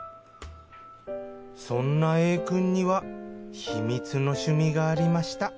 そんなＡくんには秘密の趣味がありました。